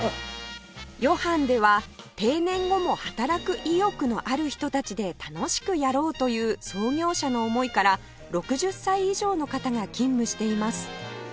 ヨハンでは定年後も働く意欲のある人たちで楽しくやろうという創業者の思いから６０歳以上の方が勤務しています